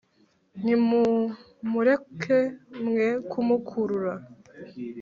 Ni mumureke mwe kumukurura